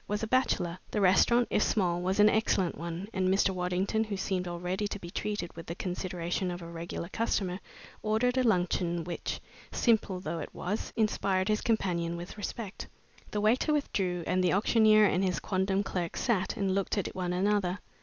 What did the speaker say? was a bachelor. The restaurant, if small, was an excellent one, and Mr. Waddington, who seemed already to be treated with the consideration of a regular customer, ordered a luncheon which, simple though it was, inspired his companion with respect. The waiter withdrew and the auctioneer and his quondam clerk sat and looked at one another.